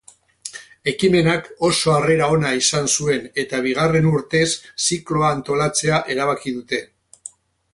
Ekimenak oso harrera ona izan zuen eta bigarren urtez zikloa antolatzea erabaki dute.